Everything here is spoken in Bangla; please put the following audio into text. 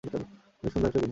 অনেক সুন্দর একটা জিনিস।